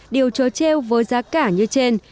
điều trớ treo với giá cả như trên